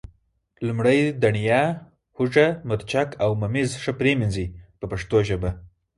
لومړی دڼیا، هوګه، مرچک او ممیز ښه پرېمنځئ په پښتو ژبه.